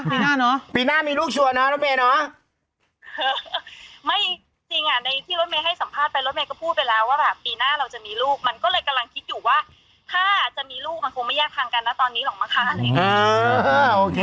ปีหน้าเนอะปีหน้ามีลูกชัวร์นะรถเมฆหม่อไม่จริงอ่ะในที่รถเมฆให้สัมภาษณ์ไป